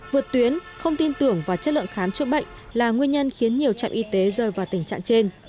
vượt tuyến không tin tưởng vào chất lượng khám chữa bệnh là nguyên nhân khiến nhiều trạm y tế rơi vào tình trạng trên